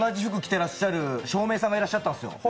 てらっしゃる照明さんがいらっしゃったんですよ